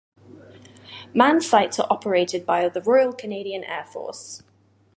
Manned sites are operated by the Royal Canadian Air Force.